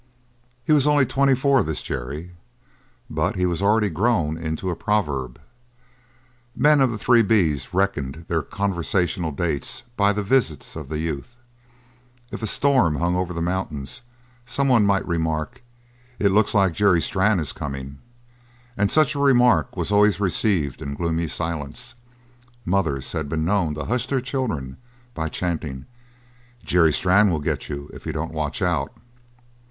He was only twenty four, this Jerry, but he was already grown into a proverb. Men of the Three B's reckoned their conversational dates by the visits of the youth; if a storm hung over the mountains someone might remark: "It looks like Jerry Strann is coming," and such a remark was always received in gloomy silence; mothers had been known to hush their children by chanting: "Jerry Strann will get you if you don't watch out."